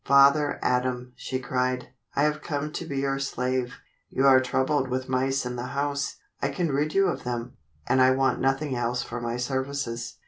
"Father Adam," she cried, "I have come to be your slave. You are troubled with mice in the house. I can rid you of them, and I want nothing else for my services."